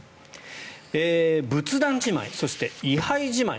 仏壇じまいそして位牌じまい